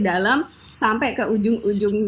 dalam sampai ke ujung ujung